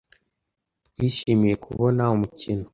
Twishimiye kubona umukino.